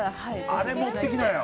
あれ持ってきなよ。